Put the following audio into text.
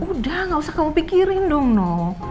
udah gak usah kamu pikirin dong nino